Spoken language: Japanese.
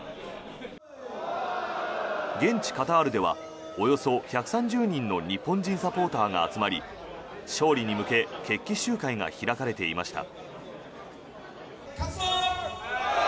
現地カタールではおよそ１３０人の日本人サポーターが集まり勝利に向け決起集会が開かれていました。